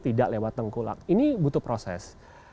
tidak lewat tengkulak ini butuh proses